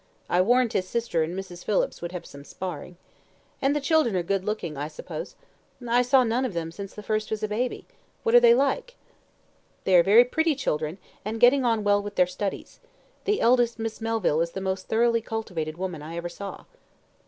I warrant his sister and Mrs. Phillips would have some sparring. And the children are good looking, I suppose? I saw none of them since the first was a baby. What are they like?" "They are very pretty children, and getting on well with their studies. The eldest Miss Melville is the most thoroughly cultivated woman I ever saw."